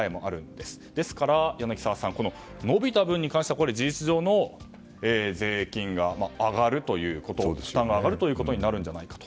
ですから柳澤さん延びた分に関しては事実上の税金が上がるということ負担が上がるということになるんじゃないかと。